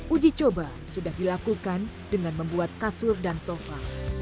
uji coba sudah dilakukan dengan membuat kasur dan sofa